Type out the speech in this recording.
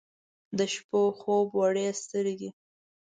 د شپو خوب وړي سترګې